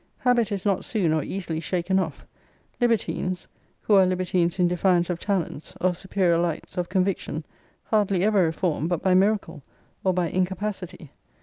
Habit is not soon or easily shaken off. Libertines, who are libertines in defiance of talents, of superior lights, of conviction, hardly ever reform but by miracle, or by incapacity.